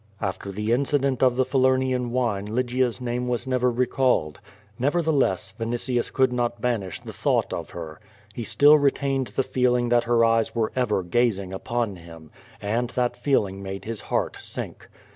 After the incident of the Falernian wine Lygia's name was never recalled. Nevertheless, Vinitius could not banish the thought of her. He still retained the feeling that her eyes were ever gazing upon him, and that feeling made his heart sink.